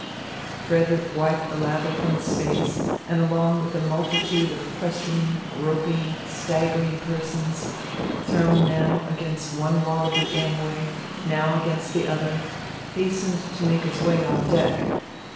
Frederick wiped the lather from his face and, along with a multitude of questioning, groping, staggering persons, thrown now against one wall of the gangway, now against the other, hastened to make his way on deck.